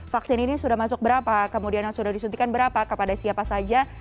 vaksin ini sudah masuk berapa kemudian yang sudah disuntikan berapa kepada siapa saja